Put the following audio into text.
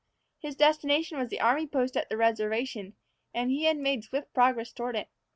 His destination was the army post at the reservation, and he had made swift progress toward it.